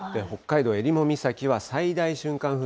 北海道えりも岬は、最大瞬間